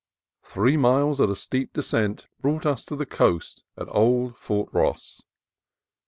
Three miles at a steep descent brought us to the coast at Old Fort Ross.